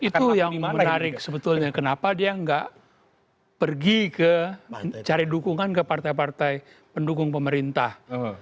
itu yang menarik sebetulnya kenapa dia nggak pergi ke mencari dukungan ke partai partai pendukung pemerintah